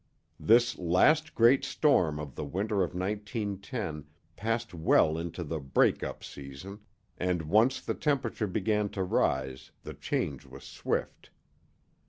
This last great storm of the winter of 1910 passed well into the "break up" season, and, once the temperature began to rise, the change was swift.